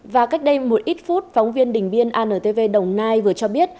và cách đây một ít phút phóng viên đình biên antv đồng nai vừa cho biết